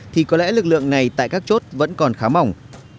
thì có lẽ lực lượng này tại các chốt vẫn còn khá mỏng